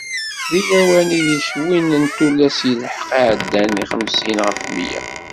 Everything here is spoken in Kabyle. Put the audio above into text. Di lawan ideg win n tullas yelḥeq iεeddan i xemsin ɣef mya.